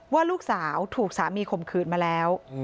ว่าลูกสาวถูกสามีข่มขืนมาแล้ว